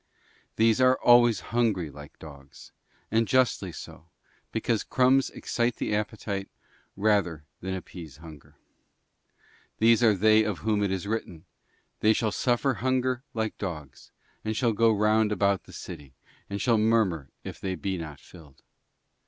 These are always hungry like dogs, and justly so, because crumbs excite the appetite rather than appease hunger. These are they of whom it is written, 'They shall suffer hunger like dogs; and shall go round about the city—and shall murmur if they be not filled.